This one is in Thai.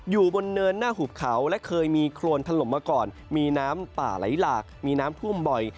อยู่บนเนินหน้าหุบเขาและเคยมีโครนถล่มมาก่อนมีน้ำป่าไหลหลากมีน้ำท่วมบ่อย